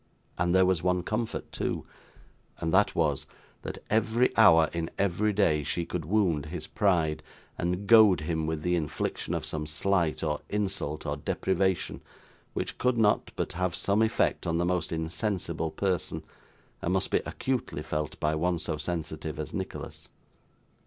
And there was one comfort too; and that was, that every hour in every day she could wound his pride, and goad him with the infliction of some slight, or insult, or deprivation, which could not but have some effect on the most insensible person, and must be acutely felt by one so sensitive as Nicholas.